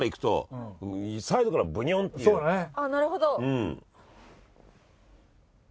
なるほど！